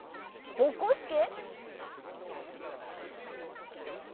ぼこすけ。